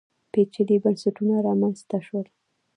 پېچلي بنسټونه رامنځته شول